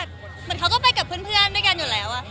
เหมือนเขาก็ไปกับเพื่อนด้วยกันอยู่แล้ว